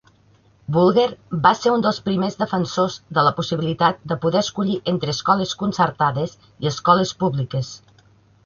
Bulger va ser un dels primers defensors de la possibilitat de poder escollir entre escoles concertades i escoles públiques.